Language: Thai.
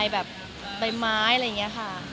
มีปิดฟงปิดไฟแล้วถือเค้กขึ้นมา